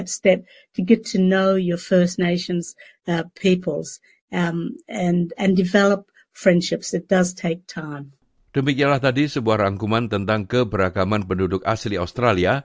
demikianlah tadi sebuah rangkuman tentang keberagaman penduduk asli australia